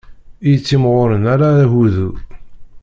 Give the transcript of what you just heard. I yettimɣuṛen ala agudu.